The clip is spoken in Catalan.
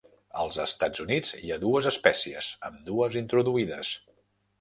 Als Estats Units hi ha dues espècies, ambdues introduïdes.